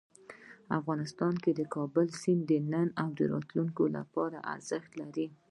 افغانستان کې د کابل سیند د نن او راتلونکي لپاره ارزښت لري.